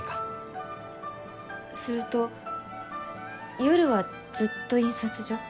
すると夜はずっと印刷所？